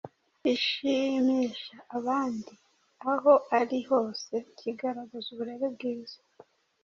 ishimisha abandi aho ari hose. Kigaragaza uburere bwiza,